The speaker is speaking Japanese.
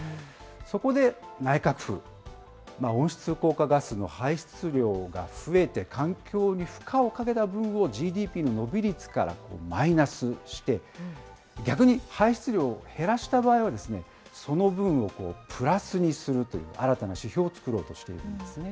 そこで内閣府、温室効果ガスの排出量が増えて環境に負荷をかけた分をＧＤＰの伸び率からマイナスして、逆に排出量を減らした場合は、その分をプラスにするという新たな指標を作ろうとしているんですね。